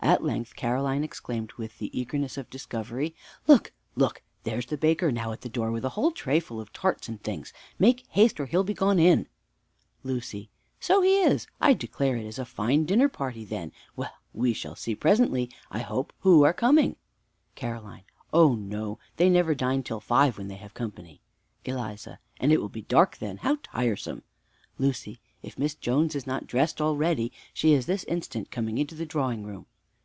At length Caroline exclaimed with the eagerness of discovery, "Look! look! there's the baker now at the door, with a whole tray full of tarts and things. Make haste, or he'll be gone in." Lucy. So he is, I declare; it is a dinner party then. Well, we shall see presently, I hope, who are coming. Caroline. Oh, no, they never dine till five when they have company. Eliza. And it will be dark then; how tiresome! Lucy. If Miss Jones is not dressed already! She is this instant come into the drawing room.